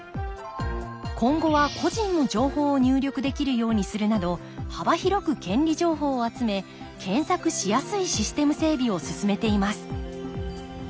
今後は個人の情報を入力できるようにするなど幅広く権利情報を集め検索しやすいシステム整備を進めています